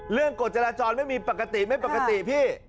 เรื่องกดจราจรไม่มีปกติ